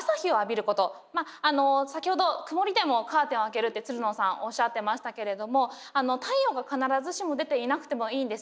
まああの先ほど曇りでもカーテンを開けるってつるのさんおっしゃってましたけれども太陽が必ずしも出ていなくてもいいんですね。